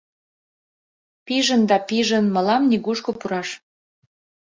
Пижын да пижын, мылам нигушко пураш.